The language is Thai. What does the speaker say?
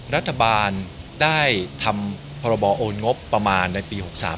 รัฐบาลได้ทำโอนงบประมาณในปีหกสาม